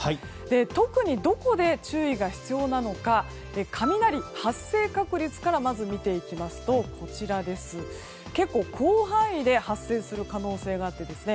特に、どこで注意が必要なのか雷発生確率から見ていきますと結構、広範囲で発生する可能性があってですね